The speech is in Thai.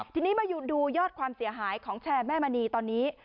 ทีนี้มาดูยอดความเสียหายของแชร์แม่มณีตอนนี้